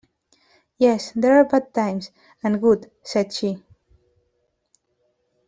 “Yes; there are bad times, and good,” said she.